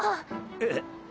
えっ？